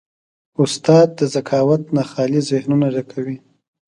استاد د ذکاوت نه خالي ذهنونه ډکوي.